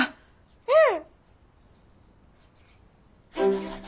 うん！